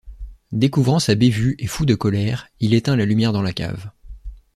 Découvrant sa bévue et fou de colère il éteint la lumière dans la cave.